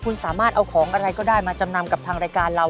คุณสามารถเอาของอะไรก็ได้มาจำนำกับทางรายการเรา